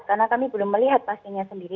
karena kami belum melihat pasiennya sendiri